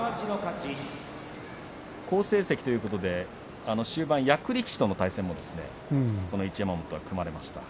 好成績ということで終盤、役力士との対戦もこの一山本は組まれました。